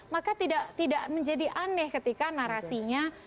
maka tidak menjadi aneh ketika narasinya